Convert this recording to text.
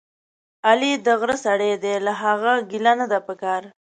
علي دغره سړی دی، له هغه ګیله نه ده پکار.